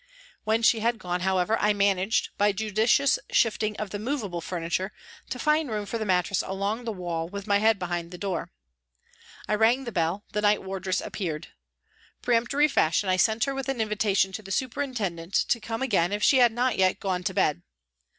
When she had gone, however, I managed by judicious shifting of the movable furni ture to find room for the mattress along the wall with my head behind the door. I rang my bell, the night wardress appeared. Peremptory fashion, I sent her with an invitation to the superintendent to come again if she had not yet gone to bed.